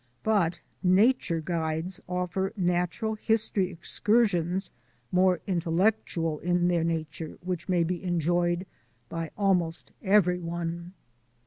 But nature guides offer natural history excursions more intellectual in their nature which may be en joyed by almost everyone.